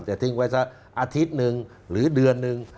จะทิ้งไว้สักอาทิตย์หนึ่งหรือเดือนหนึ่ง